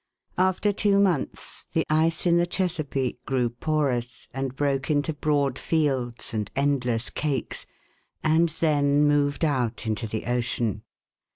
After two months the ice in the Chesapeake grew porons, and broke into broad fields and endless cakes, and then moved out into the ocean.